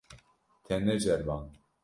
Te neceriband.